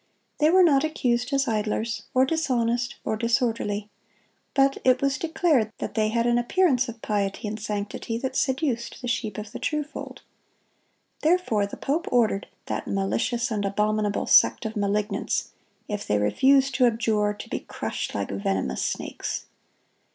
(107) They were not accused as idlers, or dishonest, or disorderly; but it was declared that they had an appearance of piety and sanctity that seduced "the sheep of the true fold." Therefore the pope ordered "that malicious and abominable sect of malignants," if they "refuse to abjure, to be crushed like venomous snakes."